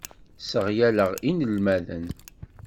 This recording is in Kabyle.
Sseɣyaleɣ inelmaden.